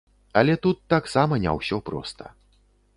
Але тут таксама не ўсё проста.